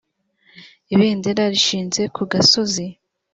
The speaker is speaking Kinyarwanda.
ibendera rishinze ku gasozi